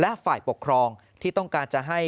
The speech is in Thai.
และฝ่ายปกครองที่ต้องการจะให้